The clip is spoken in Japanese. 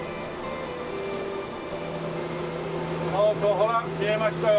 ほら見えましたよ